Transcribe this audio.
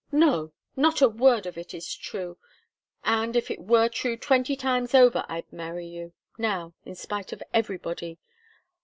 "No not a word of it is true! And if it were true twenty times over, I'd marry you now, in spite of everybody.